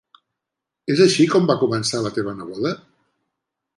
És així com va començar la teva neboda?